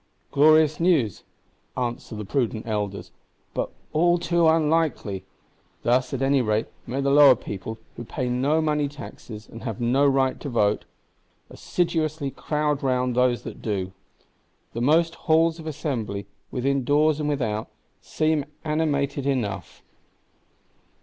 Glorious news (answer the prudent elders), but all too unlikely!—Thus, at any rate, may the lower people, who pay no money taxes and have no right to vote, assiduously crowd round those that do; and most Halls of Assembly, within doors and without, seem animated enough.